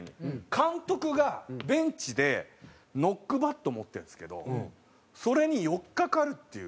監督がベンチでノックバット持ってるんですけどそれに寄っかかるっていう。